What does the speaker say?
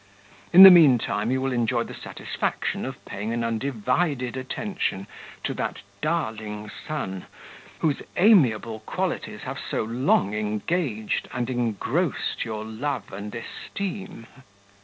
In the mean time, you will enjoy the satisfaction of paying an undivided attention to that darling son, whose amiable qualities have so long engaged and engrossed your love and esteem."